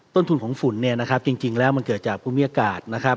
ต้นทุนของฝุ่นเนี่ยนะครับจริงแล้วมันเกิดจากภูมิอากาศนะครับ